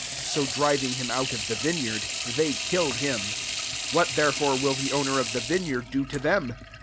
* 15 So driving him out of the vineyard, they killed him. What therefore will the owner of the vineyard do to them